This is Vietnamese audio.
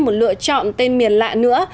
một lựa chọn tên miền lạ nữa